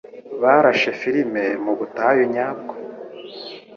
Barashe firime mubutayu nyabwo.